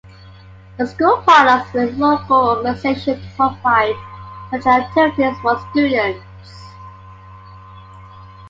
The school partners with local organizations to provide such activities for students.